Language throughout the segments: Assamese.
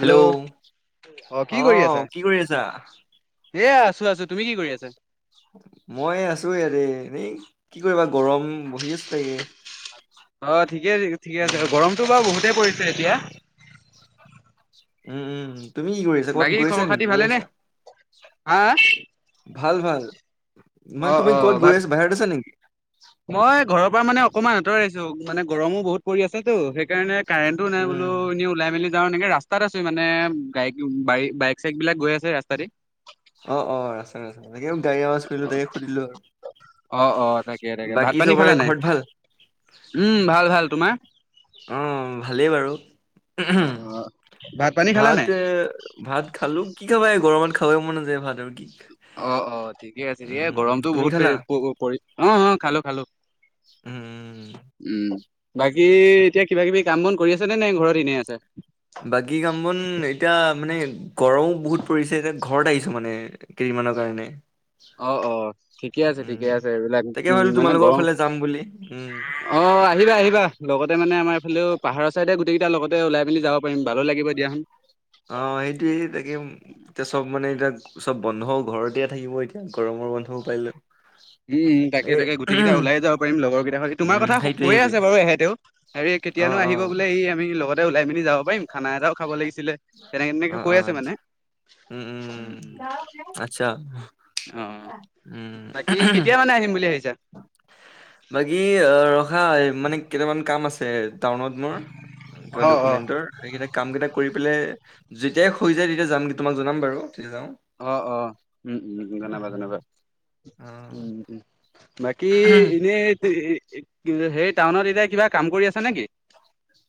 হেল্ল', অ অঁ', -কি কৰি আছা? এ' আছো-আছো, তুমি কি কৰি আছা? মই আছো ইয়াতে এনেই কি কৰিবা গৰম বহি আছো ইয়াতে। অ', ঠিকে আছে, ঠিকে আছে। গৰমটো বাৰু বহুতেই পৰিছে এতিয়া। উমঁ-উমঁ, তুমি কি কৰি আছা? কৰ'বাত বাকী খবৰ গৈছা খাতি নেকি গৈ ভালেনে? আছা? হা ভাল-ভাল, অ মানে অ তুমি ক'ত ভাত গৈ আছা বাহিৰত আছা নেকি? মই ঘৰৰ পৰা মানে অকণমান আতৰি আহিছো, মানে গৰমো বহুত পৰি আছেতো সেইকাৰণে- কাৰেণ্টতো নাই উম বোলো এনেই- ওলাই মেলি যাওঁ এনেকে ৰাস্তাত আছো মানে গাড়ী, বাইক-চাইক বিলাক গৈ আছে। অঁ', -অঁ', ৰাস্তাত আছা, সেনেকে অ অ তাকে তাকে বাকী' চবৰে ঘৰত ভাল? উমঁ, ভাল-ভাল, তোমাৰ? উমঁ, ভালেই বাৰু। অ অ পানী খালা ভাত নাই? যে ভাত খালো, কি খাবা এই গৰমত খাব মন নাযায় ভাত আৰু কি। অ', -অহ', ঠিকে, উম গৰমটো তুমি বহুত খালা পৰিছে। অঁ', -অঁ', -খালো-খালো। উম। উমঁ, বাকী' এতিয়া কিবা-কিবি কাম-বন কৰি আছে নে, নে ঘৰত এনেই আছে? বাকী' কাম-বন এতিয়া মানে গৰম বহুত পৰিছে যে ঘৰত আহিছো মানে। কেইদিনমানৰ কাৰণে। অ', -অ', ঠিকে আছে, ঠিকে উম আছে। এইবিলাক তাকে উম' ভাবিলো মানে তোমালোকৰ গৰম ফালে যাম বুলি উম অ', আহিবা-আহিবা, লগতে মানে আমাৰ এইফালেও পাহাৰৰ ছাইডে গোটেইকেইটা লগতে ওলাই মেলি যাব পাৰিম ভালে লাগিব দিয়াচোন। অঁ', এইটোৱে সেই তাকে। এতিয়া চব মানে এতিয়া চব বন্ধও ঘৰতে থাকিব এতিয়া গৰমৰ বন্ধও পাইলেহি। উমঁ-উমঁ, তাকে-তাকে, গোটেইটা ওলাই যাব পাৰিম। লগৰকেইটাক তোমাৰ উম কথা সেইটোৱে কৈয়ে সেইটোৱে আছে বাৰু এহেঁতেও। হেৰি কেতিয়া অ নো অ আহিব বোলে, সি আমি লগতে ওলাই মেলি যাব পাৰিম খানা এটাও খাব লাগিছিলে। তেনেকে অ এনেকে কৈ অ আছে আচ্ছা। মানে, উম উম উম। উম-উম। আচ্ছা'। কোনে আহিম বুলি ভাৱিছে? বাকী' ৰখা মানে কেইটামান কাম আছে টাউনত মোৰ। কিবা অ', অ', ডকমেন্টৰ, সেইকেইটা- কাম কেইটা কৰি পেলাই যেতিয়াই হৈ যায় তেতিয়া যাম তোমাক জনাম বাৰু কেতিয়া যাওঁ। অ', -অ', উম-উম, উম, জনাবা-জনাবা। অ বাকী' এনেই সেই টাউনত এতিয়া কিবা কাম কৰি আছা নেকি?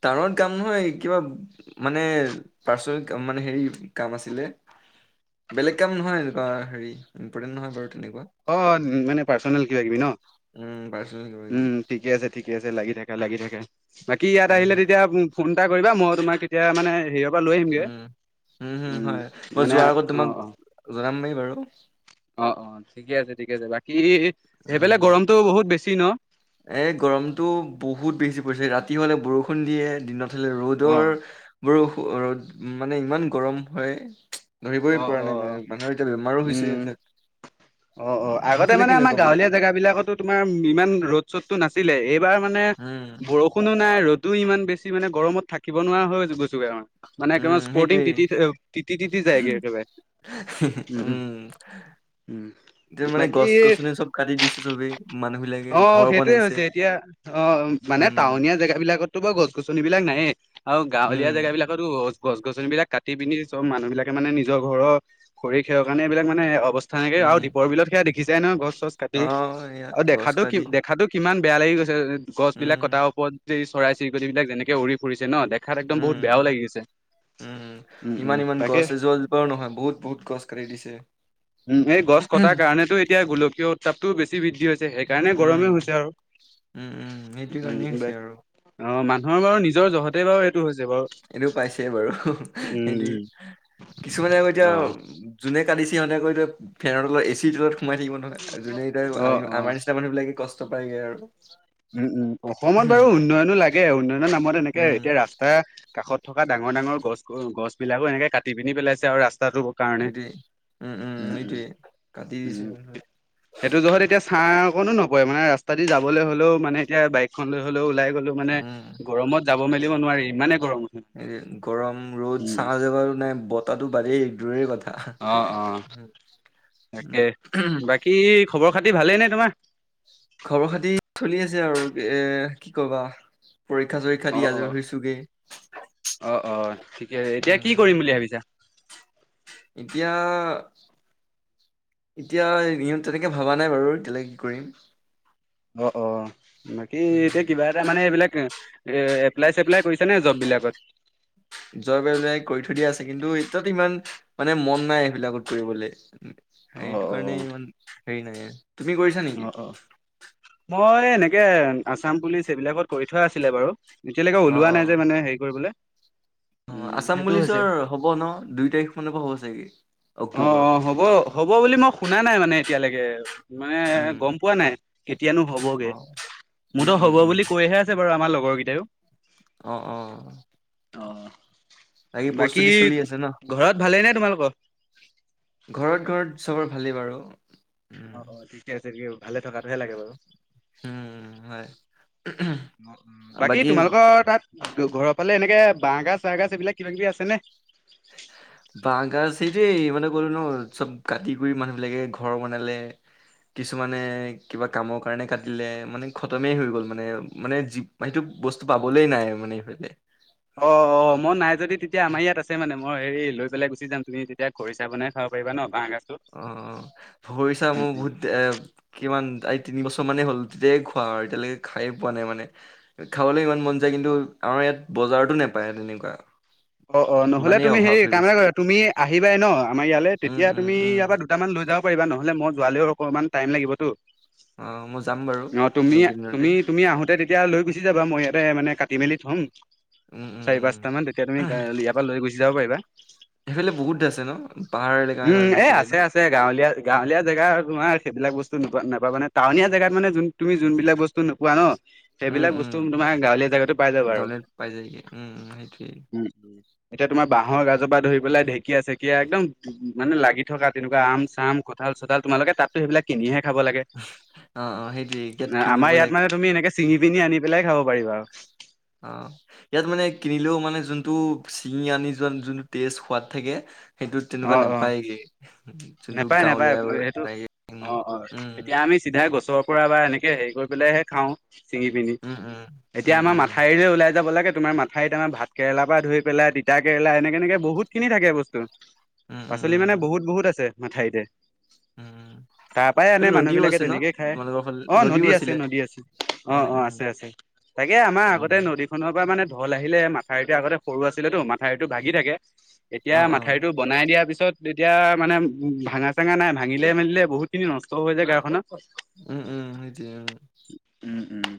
টাউনত কাম নহয়, কিবা - মানে পাৰ্চনেল মানে হেৰি কাম আছিলে। বেলেগ কাম নহয় এনেকুৱা হেৰি ইম্পৰ্টেণ্ট নহয় বাৰু তেনেকুৱা। অ', মানে পাৰ্চনেল কিবা-কিবি ন'। উমঁ, পাৰ্চনেল। কিবা কিবি উমঁ, ঠিকে আছে, ঠিকে আছে, লাগি থাকা, লাগি থাকা। বাকী' ইয়াত উম আহিলে উম তেতিয়া- ফোন এটা কৰিবা মই তোমাক কেতিয়া মানে হেৰি- লৈ আহিম গৈ। উম' মানে অঁ', - জনাম দেই বাৰু। অ', -অ', ঠিকে আছে, ঠিকে আছে। বাকী' সেইফালে গৰমটো বহুত বেছি ন'? এ গৰমটো বহুত বেছি পৰিছে, ৰাতি হ'লে বৰষুণ দিয়ে দিনত দিলে অ। ৰ'দৰ বৰ ৰ'দ মানে ইমান গৰম হয়। অ ধৰিবই পৰা অ নাই মানে, মানুহৰ এতিয়া বেমাৰো বেছি উম এইবিলাক। অ', অ', উম আগতে সেইফালে মানে আমাৰ কেনেকুৱা বতৰ গাঁৱলীয়া জেগা বিলাকতো তোমাৰ ইমান ৰ'দ চ'দটো নাছিলে এই এইবাৰ মানে উম বৰষুণো নাই, ৰ'দো ইমান বেছি মানে গৰমত থাকিব নোৱাৰা হৈ গৈছোগে [unintelligible] মান এক [unintelligible] উম স্পৰ্টিং সেইটোৱে তিতি [unintelligible] তিতি, তিতি যায়গে একেবাৰে। উম। উম। এতিয়া মানে বাকী গছ- গছনি চব কাটি দিছে চবেই, মানুহ বিলাকে অ', ঘৰ সেইটোয়ে বনাইছে। হৈছে এতিয়া অ', মানে উম টাউনীয়া জেগা বিলাকতটো বাও গছ- গছনি বিলাক নায়ে আৰু উম গাঁৱলীয়া জেগা বিলাক বিলাকতো গছ-গছনি বিলাক কাটি পিনি চব মানুহবিলাকে মানে নিজৰ ঘৰৰ খৰি খেৰৰ কাৰণে এইবিলাক মানে অৱস্থা নাইকিয়া আৰু উম দীপৰ বিলত সেয়া দেখিছাই নহয় গছ চছ কাটি অ ইয়াত আৰু গছ দেখাটো কি কাটি দে দেখাটো কিমান বেয়া লাগি গৈছে গছ বিলাক কটাৰ উম ওপৰত যে চৰাই-চিৰিকটি বিলাক যেনেকে উৰি ফুৰিছে ন, দেখাত একদম বহুত বেয়াও উম লাগিছে, উম উম, উম ইমান ইমান তাকে। গছ [unintelligible] নহয়, বহুত, বহুত গছ কাটি দিছে। উম, এই গছ কটাৰ কাৰণেতো এতিয়া গোলকীয় উত্তাপটো বেছি বৃদ্ধি হৈছে, সেইকাৰণে উম গৰমেই হৈছে আৰু। উম, উম সেইটো কাৰণেই হৈছে আৰু। অ', মানুহৰ বাৰু নিজৰ জহতে বাৰু হৈছে বাৰু। এইটো পাইছে বাৰু সেইটোৱে, কিছুমানে আকৌ এতিয়া যোনে কাটিছে সিহঁতে আকৌ এতিয়া ফেনৰ তলত এ চি ৰ তলত সোমাই থাকিব নহয় যোনে এতিয়া অ অ আমি আমাৰ নিচিনা তাৰ মানুহবিলাকে কষ্ট পাইগে আৰু। উম, উম, অসমত বাৰু উন্নয়নো লাগে, উন্নয়নৰ নামত এনেকে উম, এতিয়া ৰাস্তা কাষত থকা ডাঙৰ, ডাঙৰ গছ গ-গছ বিলাকো এনেকে কাটি পিনি পেলাইছে আৰু ৰাস্তাটো কাৰণে, সেইটোৱে উম, উম, কাটি দিছে উম। মানুহবিলাকে সেইটো জহত এতিয়া ছাঁ অকনো নপৰে, মানে ৰাস্তা দি যাবলে হ'লেও মানে এতিয়া বাইকখন লৈ হ'লেও, ওলাই গ'লো মানে, উম, গৰমত যাব মেলিব নোৱাৰি, ইমানে গৰম উঠে। এ গৰম ৰ'দ, উম। ছাঁ জেগাবোৰ নাই, বতাহটো বাদেই দূৰৰে কথ অ', অ', [unintelligible] তাকে, বাকী খবৰ খাতি ভালেই নে তোমাৰ? খবৰ খাতি চলি আছে আৰু এ, কি ক'বা। পৰীক্ষা চৰীক্ষা দি অ', আজৰি অ', হৈছোগে, অ', অ', ঠিকে এতিয়া উম। [unintelligible] ভাবিছা। এতিয়া এতিয়া [unintelligible] তেনেকে ভাবা নাই বাৰু, এতিয়ালে কি কৰিম। অ', অ', বাকী এতিয়া কিবা এটা মানে এইবিলাক এ এপ্লাই চেপ্লাই কৰিছা নে, জব বিলাকত? জব এপ্লাই কৰি থৈ দিয়া আছে, কিন্তু এতিয়াতো ইমান মানে মন নাই সেইবিলাকত কৰিবলে। অ', সেইটো কাৰণে অ', ইমান হেৰি নাই, তুমি কৰিছা নেকি? অ', অ', মই এনেকে আছাম পুলিচ এইবিলাকত কৰি থোৱা আছিলে বাৰু। এতিয়ালেকে অ', ওলোৱা অ', নাই যে মানে হেৰি কৰিবলে। অ', আছাম পুলিচৰ হ'ব ন, দুই তাৰিখ মানৰ পৰা হ'ব চাগে। অ', অক্টোবৰ অ', হ'ব, হ'ব বুলি মই শুনা নাই মানে এতিয়ালেকে। মানে উম, গম পোৱা নাই, কেতিয়ানো হ'বগে, অ', মুঠ উম, উম, হ'ব উম, বুলি কৈহে আ ছে বাৰু আমাৰ লগৰ গিটাইও। অ', অ'। অ, বাকী, প্ৰস্তুতি চলি আছে ন ঘৰত ভালেই নে তোমালোকৰ? ঘৰত- ঘৰত চবৰ ভালেই বাৰু। উম, অ, অ, ঠিকে আছে, কি, ভালে থকাটোহে লাগে বাৰু। উম, হয় [unintelligible] বাকী তোমালোকৰ তাত ত, ঘৰৰ ফালে এনেকে, বাঁহ গাজ, চাহ গাছ এইবিলাক কিবা- কিবি আছেনে? [unintelligible] বাঁহ গাজ, সেইটোৱেই মানে ক'লো ন', চব কাটি কৰি মানুহ বিলাকে ঘৰ বনালে। কিছুমানে, কিবা কামৰ কাৰণে কাটিলে, মানে খতমেই হৈ গ'ল মানে-মানে জি ম, সেইটো বস্তু পাবলেই নাই মানে এইফালে। অ -অ, মই নাই যদি তেতিয়া আমাৰ ইয়াত আছে মানে, মই হেৰি লৈ পেলাই গুচি যাম, তুমি তেতিয়া খৰিচা বনাই খাব পাৰিবা ন, বাঁহ গাছটো। অ- অ ভৰি চা মোৰ বহুত এ, কিমান, আ, তিনি বছৰ মানেই হ'ল, তেতিয়াই খোৱা আৰু এতিয়ালৈকে খাইয়ে পোৱা নাই মানে। খাবলৈ ইমান মন যায় কিন্তু, আমাৰ ইয়াত বজাৰতো নোপায় তেনেকুৱা। অ- অ, নহ'লে ইমানেই তুমি অভাৱ হেৰি, হৈ কাম এটা গৈছে কৰিবা, তুমি আহিবাই ন, আমাৰ ইয়ালৈ, উম তেতিয়া উম তুমি উম ই- ইয়াৰ পৰা দুটামান লৈ যাব পাৰিবা, নহলে মই যোৱালৈ অকনমান টাইম লাগিবতো। অ মই যাম বাৰু অ, তুমি- এইকেইদিনতে তুমি- তুমি আহোতে তে তেতিয়া লৈ গুচি যাবা, মই ইয়াতে মানে কাটি মেলি থ'ম, উম উম চাৰি উম পাঁচটা মান, তেতিয়া তুমি ইয়াৰ পৰা লৈ গুচি যাব পাৰিবা। সেইফালে বহুত আছে ন, পাহাৰ এলেকাৰ উম কাৰণে এ চাগে আছে ন'। আছে গাঁৱলীয়া- গাঁৱলীয়া জেগা তোমাৰ সেইবিলাক বস্তু নাপাবা নহয়, মানে, টাউনীয়া জেগাত মানে যোন তুমি যোন বিলাক বস্তু নোপোৱা ন, উম সেইবিলাক উম বস্তু তোমাৰ গাঁৱলীয়া জেগাটো পাই যাবা আৰু। গাঁৱলীয়াত পাই যায়গে, উম-উম সেইটোৱেই। উম- উম। এতিয়া তোমাৰ বাঁহৰ গাজৰ পৰা ধৰি পেলাই, ঢেঁকীয়া-চেকীয়া, একদম মানে লাগি থকা তেনেকুৱা আম-চাম কঁঠাল- চঠাল তোমালোকে তাতো সেইবিলাক কিনিহে খাব লাগে। অ, অ, সেইটোৱে ইয়াত কিনিব লাগ চিঙি পিনি আনি পেলাই খাব পাৰিবা আৰু। অ। ইয়াত মানে কিনিলেও মানে যোনটো চিঙি আনি যোৱা যোনটো টেষ্ট, সোৱাদ থাকে সেইটোত তেনেকুৱা নাপায়গে। যোনটো নোপায় -নাপায় গাঁৱলীয়া সেইটো। পায়গে উম অ- অ, উম এতিয়া আমি চিধাই গছৰ পৰা বা এনেকে হেৰি কৰি পেলাইহে খাওঁ। চিঙি পিনি। উম উম এতিয়া উম আমাৰ মাথাউৰিলে ওলাই যাব লাগে, তোমাৰ মাথাউৰিত আমাৰ ভাত, তিতা কেৰেলা পৰা, ধৰি পেলাই তিতা কেৰেলা এনেক কেনেকে বহুত খিনি থাকে বস্তু, উম উম উম পাচলি উম মানে বহুত- বহুত আছে মাথাউৰিতে। উম তাৰ পৰাই আনে ফালে মানুহ নদীও বিলাকে আছে ন তেনেকে খাই। তোমালোকৰ ফালে অ, নদীও নদী আছে, আছিলে নদী আছে। অ, উম অ, উম আছে, আছে। তাকে আমাৰ উম আগতে নদীখনৰ পৰা মানে ঢোল আহিলে মাথাইটো আগতে সৰু আছিলেটো মথাইটো ভাগি থাকে। এতিয়া অ অ মাথাউৰিটো বনাই দিয়াৰ পিছত এতিয়া মানে উম, ভাঙা- চাঙা নাই ভাঙিলে মেলিলে বহুতখিনি নষ্ট হৈ যায় গাঁওখনত। উম- উম এইটোৱে উম। উম- উম,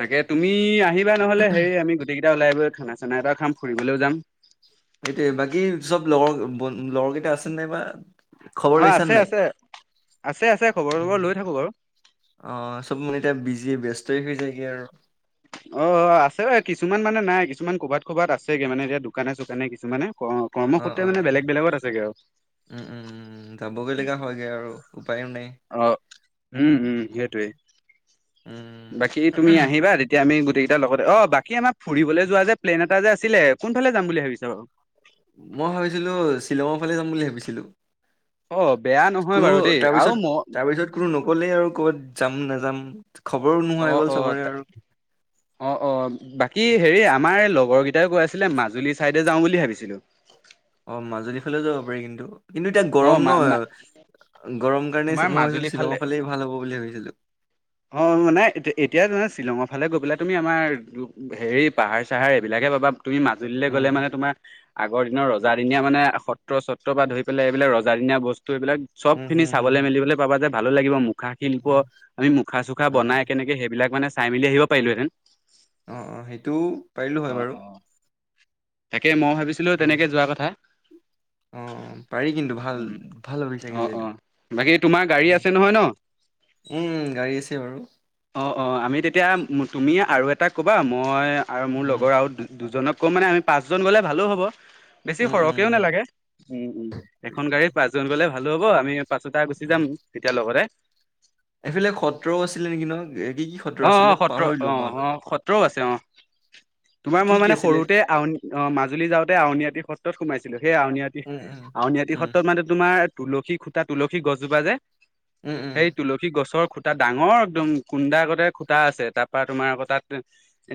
তাকে তুমি আহিবা নহ'লে হেৰি আমি গ গোটেকিটা ওলাই গৈ খানা- চানা এটা খাম, ফুৰিবলৈও যাম। এইটোৱে বাকী চব লগৰ বন-লগৰ কেইটা আছে নাই বা? খবৰ হয় লৈছা আছে আছে, আছে আছে খবৰ চবৰ লৈ থাকো বাৰু। অঁ' চ'ব মানে এতিয়া বিজিয়ে ব্যস্ত হৈ যায়গে আৰু। অঁ' অঁ' আছে কিছুমান মানে নাই, কিছুমান ক'বাত ক'বাত আছেগে মানে এতিয়া দোকানে চোকানে কিছুমানে, অঁ'। অঁ' অঁ' উমঁ' উমঁ' উমঁ' যাবগৈ লগা হয়গৈ আৰু উপাইও নাই। অঁ' উমঁ' উমঁ' সিটোৱে, উম, বাকী তুমি আহিবা- এতিয়া আমি গোটেইকেইটা লগতে, অঁ' বাকী আমাৰ ফুৰিবলৈ যোৱা যে প্লেন এটা যে আছিলে কোনফালে যাম বুলি ভাবিছ বাৰু? মই ভাবিছিলোঁ শ্বিলঙৰ ফালে যাম বুলি ভাবিছিলোঁ। অঁ' বেয়া নহয় কোনো বাৰু দেই তাৰপিছত আৰু ম তাৰপিছত কোনো নক'লেই আৰু ক'ৰবাত যাম নাযাম, খবৰো নোহোৱা অ হৈ গ'ল অ চবৰে আৰু। অ', অ', বাকী হেৰি আমাৰ লগৰ কেইটাই কৈ আছিলে মাজুলী চাইডে যাওঁ বুলি ভাবিছিলোঁ। অ', মাজুলী ফালেও যাব পাৰি কিন্তু, কিন্তু এতিয়া অ গৰম মা মা ন'। গৰম কাৰণে তোমাৰ মই ভাবিছিলোঁ মাজুলী শ্বিলঙৰ ফালে ভাল হ'ব বুলি ভাবিছিলোঁ। অঁ' মানে এতি-এতিয়াে [unintelligible] শ্বিলঙৰ ফালে গৈ পেলাই তুমি আমাৰ দো হেৰি পাহাৰ, চাহাৰ এইবিলাকে পাবা, তুমি মাজুলীলৈ উম, গ'লে মানে তোমাৰ আগৰ দিনৰ ৰজাদিনীয়া মানে সত্ৰ-চত্ৰ পৰা ধৰি পেলাই এইবিলাক ৰজাদিনীয়া বস্তু এইবিলাক চ'ব উম, খিনি হম, হম, হম, দেখিবলে পাবা যে ভালো লাগিব মুখা শিল্প, উম, আমি মুখা চুখা উম, বনাই কেনেকে সেইবিলাক মানে চাই মেলি আহিব পাৰিলোঁ হেঁতেন। অ', অ', সেইটো পাৰিলোঁ হয় অ বাৰু। অ। তাকে, মই ভাবি উমঁ' অঁ' অঁ' পাৰি কিন্তু ভাল উম। ভাল ভাবিছা অ কিন্তু অ এইটো। বাকী তোমাৰ গাড়ী উমঁ' আছে নহয় ন? উমঁ' উমঁ' গাড়ী আছে বাৰু। অ', অ', আমি তেতিয়া, তুমি আৰু এটা ক'বা, মই আৰু মোৰ উম লগৰ আৰু দু দুজনক ক'ম মানে আমি পাঁচজন গ'লে ভালো হ'ব, বেছি উম সৰ উম কেও উম নালাগে, উমঁ' উমঁ' এখন গাড়ীত পাঁচজন গ'লে ভালো হ'ব আমি পাঁচোটাই গুচি উম। যাম তেতিয়া লগতে। এইফালে সত্ৰও আছিলে নেকি ন এ, কি কি সত্ৰ অঁ' আছিলে অঁ' সত্ৰ পাহৰিলো অঁ' মই অলপ অঁ' সত্ৰও আছে অঁ'। তোমাৰ কি মই কি মানে আছিলে সৰুতে আউনী অঁ' মাজুলী যাওঁতে আউনীআতি সত্ৰত সোমাইছিলোঁ, সেই আউনী উম উম আউনীআটী উম সত্ৰত মান তোমাৰ তুলসী খুটা, তুলসী গছজোপাৰ যে উম উম সেই তুলসী গছৰ- খুটা ডাঙৰ একদম কুডা কতে খুটা আছে তাৰ পৰা তোমাৰ আকৌ তাত-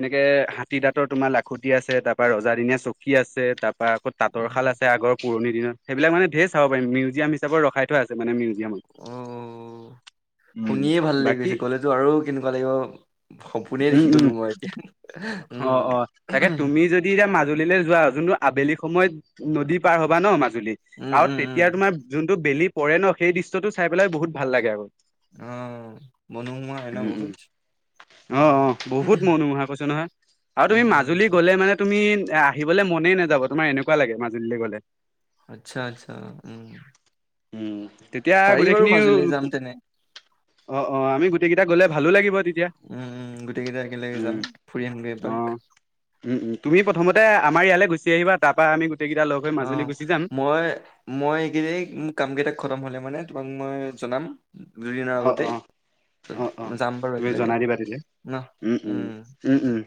এনেকে হাতী দাঁতৰ তোমাৰ লাখুটি আছে, তাৰ পৰা ৰজা দিনীয়া চকী আছে, তাৰ পৰা আক- তাঁতৰা শাল উম আছে আগৰ পুৰণ দিনত, সেইবিলাক মানে ধেই চাব পাৰিম, মিউজিয়াম হিচাপে ৰখাই- থোৱা আছে মানে অ মিউজিয়ামত। শুনিয়ে ভাল লাগি বাকী গৈছে, গ'লেতো আৰু কেনেকুৱা লাগিব- সপোনে উম দেখি উম গলোঁ মই এতিয়া অ অ তাকে উমঁ'। তুমি যদি এতিয়া মাজুলীলৈ যোৱা যোনটো আবেলি সময়ত নদী পাৰ হ'বা ন'- মাজুলীত উম আৰু উম উম তেতিয়া তোমাৰ যোনটো বেলি পৰে ন' সেই দৃশ্যটো চাই পেলাই বহুত ভাল লাগে আৰু। অঁ' মনোমোহা হয় ন' বহুত। অঁ' উম অঁ' বহুত মনোমোহা কৈছো নহয় আৰু উম তুমি উম মাজুলী গ'লে মানে - তুমি এ আহিবলৈ মনেই নাযাব তোমাৰ এনেকুৱা লাগে মাজুলীলৈ গ'লে। আচ্ছা'-আচ্ছা' উমঁ'। উমঁ' তেতিয়া গোটেইখিনি- মাজুলী যাম তেনে অঁ' অঁ' আমি গোটেইকেইটা গ'লে ভালো লাগিব তেতিয়া। উমঁ' উমঁ' গোটেইকেইটা একেলগে যাম ফুৰি আহিমগৈ এপাক। উমঁ' উমঁ' তুমি প্ৰথমতে আমাৰ ইয়ালৈ গুচি আহিবা তাৰ পৰা আমি গোটেইকেইটা লগ- হৈ অ মাজুলী গুচি যাম। মই মই এইকেই মোৰ কাম কেইটাক খতম হলে মানে তোমাক মই জনাম দুইদিনৰ আগতে। অঁ অঁ যাম বাৰু তুমি একেলগে জনাই দিবা তেলে, ন উম, উম, উম উম।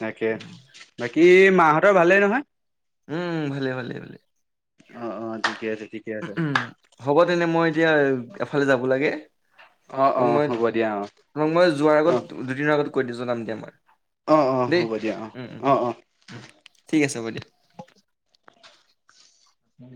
তাকে উম বাকী মাহঁতৰ ভালেই মাহঁতৰ নহয়? উম ভালে, ভালে, ভালে। অঁ অঁ ঠিকে আছে ঠিক হ'ব তেনে মই এতিয়া, এফালে যাব লাগে। অহ, তোমাক অঁ মই হ'ব দিয়া অঁ। তোমাক মই যোৱাৰ আগত দুদিনৰ আগত জনাম দিয়া মই। অ', অ', দেই হ'ব দিয়া অ', উম, উম অ', অ'। উম ঠিক আছে হব দিয়া। উম।